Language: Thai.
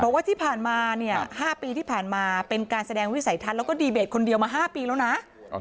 ว่าที่ผ่านมาเนี่ย๕ปีที่ผ่านมาเป็นการแสดงวิสัยทัศน์แล้วก็ดีเบตคนเดียวมา๕ปีแล้วนะ